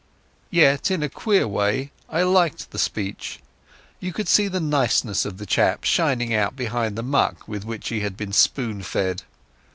Yet in a queer way I liked the speech. You could see the niceness of the chap shining out behind the muck with which he had been spoon fed.